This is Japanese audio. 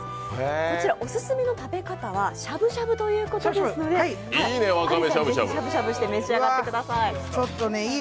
こちら、オススメの食べ方がしゃぶしゃぶということですので、しゃぶしゃぶして食べてみてください。